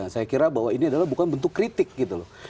saya kira bahwa ini adalah bukan bentuk kritik gitu loh